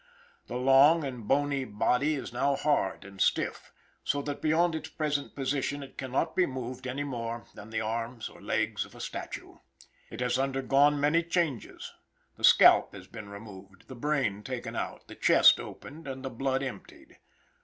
The long and bony body is now hard and stiff, so that beyond its present position it cannot be moved any more than the arms or legs of a statue. It has undergone many changes. The scalp has been removed, the brain taken out, the chest opened and the blood emptied.